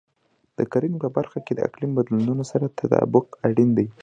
د کرنې په برخه کې د اقلیم بدلونونو سره تطابق اړین دی.